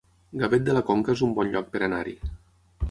Gavet de la Conca es un bon lloc per anar-hi